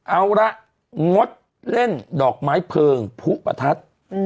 เอาละงดเล่นดอกไม้เพลิงผู้ประทัด